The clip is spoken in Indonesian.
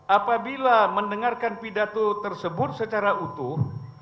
apabila mendengarkan pidato tersebut secara utuh